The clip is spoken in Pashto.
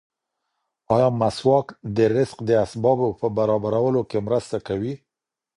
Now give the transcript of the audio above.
ایا مسواک د رزق د اسبابو په برابرولو کې مرسته کوي؟